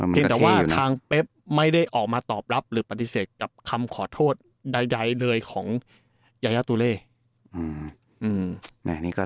แต่ว่าทางเป๊บไม่ได้ออกมาตอบรับหรือปฏิเสธกับคำขอโทษใดเลยของยายาตุเล่